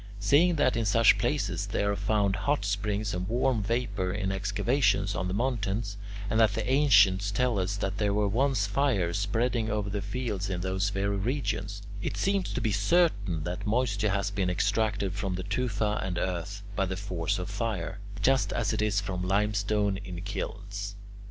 Seeing that in such places there are found hot springs and warm vapour in excavations on the mountains, and that the ancients tell us that there were once fires spreading over the fields in those very regions, it seems to be certain that moisture has been extracted from the tufa and earth, by the force of fire, just as it is from limestone in kilns.